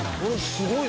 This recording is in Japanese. すごい。